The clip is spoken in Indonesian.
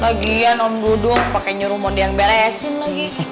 lagian om dudung pakai nyuruh mau dia yang beresin lagi